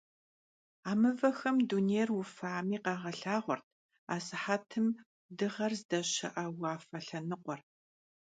A mıvexem dunêyr şıufami khağelhağuert asıhetım dığer zdeşı'e vuafe lhenıkhuer.